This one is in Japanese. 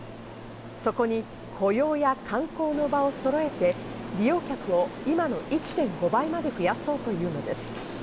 そこに雇用や観光の場をそろえて利用客を今の１．５倍まで増やそうというのです。